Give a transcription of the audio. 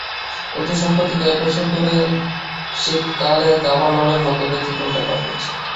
কিন্তু সম্প্রতি কয়েক বছর ধরে শীতকালে দাবানলের মতো ব্যতিক্রমী ব্যাপার ঘটছে।